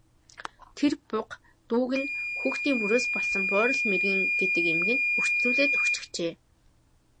Тэр буга дүүг нь хүүхдийн мөрөөс болсон Буурал мэргэн гэдэг эмгэнд үрчлүүлээд өгчихжээ.